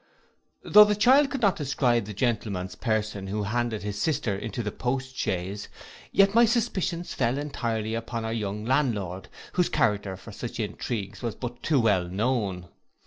Tho' the child could not describe the gentleman's person who handed his sister into the post chaise, yet my suspicions fell entirely upon our young landlord, whose character for such intrigues was but too well known.